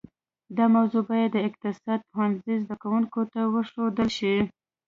دا موضوع باید د اقتصاد پوهنځي زده کونکو ته ورښودل شي